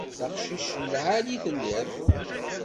D aqcic n lεali i telliḍ.